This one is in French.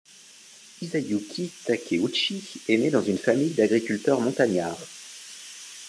Hisayuki Takeuchi est né dans une famille d'agriculteurs montagnards.